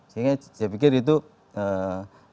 sehingga saya pikir itu tetap membuka